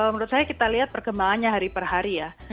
menurut saya kita lihat perkembangannya hari per hari ya